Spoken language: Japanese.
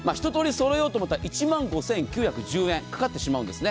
そろえようと思ったら１万５９１０円かかってしまうんですね。